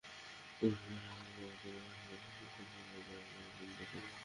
অনুসন্ধান শেষে তাঁকে অব্যাহতি দেওয়ার সুপারিশ করে কমিশনে প্রতিবেদন জমা দেন অনুসন্ধান কর্মকর্তা।